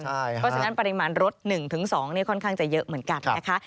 เพราะฉะนั้นปริมาณรถ๑๒ค่อนข้างจะเยอะเหมือนกันนะคะ